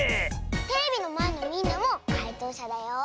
テレビのまえのみんなもかいとうしゃだよ。